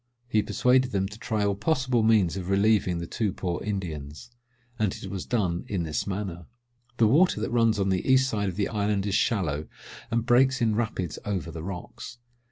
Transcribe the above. He persuaded them to try all possible means of relieving the two poor Indians; and it was done in this manner. The water that runs on the east side of the island is shallow, and breaks in rapids over the rocks.